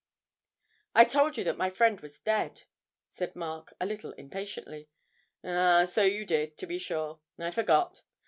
'I told you that my friend was dead,' said Mark a little impatiently. 'Ah, so you did, to be sure, I forgot.